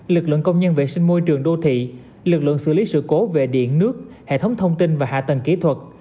lực lượng công nhân vệ sinh môi trường đô thị lực lượng xử lý sự cố về điện nước hệ thống thông tin và hạ tầng kỹ thuật